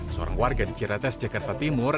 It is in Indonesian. seorang warga di ciracas jakarta timur